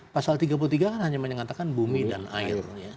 pasal tiga puluh tiga kan hanya menyatakan bumi dan air